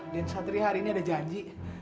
satria hari ini ada janji